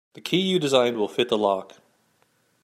The key you designed will fit the lock.